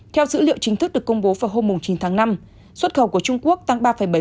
theo dữ liệu chính thức được công bố vào hôm chín tháng năm xuất khẩu của trung quốc tăng ba bảy